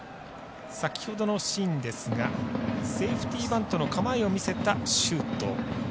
先ほどのシーンですがセーフティーバントの構えを見せた周東。